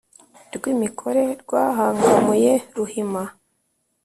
rwimikore rwahangamuye ruhima,